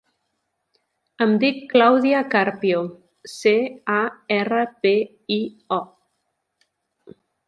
Em dic Clàudia Carpio: ce, a, erra, pe, i, o.